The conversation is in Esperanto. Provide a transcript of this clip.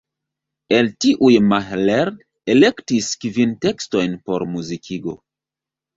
El tiuj Mahler elektis kvin tekstojn por muzikigo.